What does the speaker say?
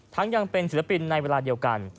ยังเป็นศิลปินในเวลาเดียวกัน